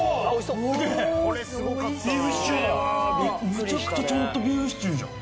めちゃくちゃちゃんとビーフシチューじゃん。